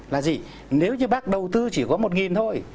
là gì nếu như bác đầu tư chỉ có một thôi